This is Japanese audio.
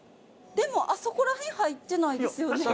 でもあそこら辺入ってないですよね。